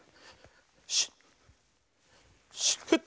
シュッシュッフッ！